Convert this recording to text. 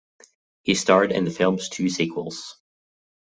He starred in the film's two sequels.